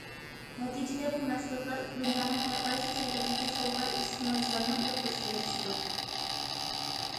نەتىجىدە، بۇ مەھسۇلاتلار دۇنيانىڭ ھەر قايسى جايلىرىدىكى سولخاي ئىستېمالچىلارنىڭ ياقتۇرۇشىغا ئېرىشىدۇ.